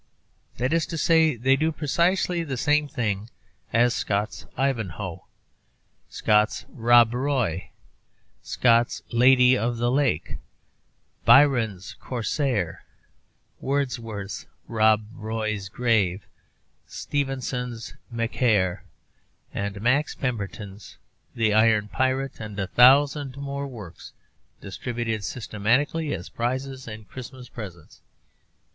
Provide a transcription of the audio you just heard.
That is to say, they do precisely the same thing as Scott's 'Ivanhoe,' Scott's 'Rob Roy,' Scott's 'Lady of the Lake,' Byron's 'Corsair,' Wordsworth's 'Rob Roy's Grave,' Stevenson's 'Macaire,' Mr. Max Pemberton's 'Iron Pirate,' and a thousand more works distributed systematically as prizes and Christmas presents.